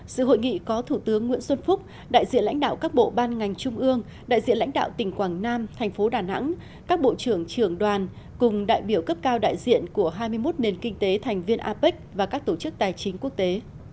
sự hội nghị có thủ tướng nguyễn xuân phúc đại diện lãnh đạo các bộ ban ngành trung ương đại diện lãnh đạo tỉnh quảng nam thành phố đà nẵng các bộ trưởng trưởng đoàn cùng đại biểu cấp cao đại diện của hai mươi một nền kinh tế thành viên apec và các tổ chức tài chính quốc tế